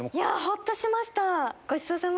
ほっとしました。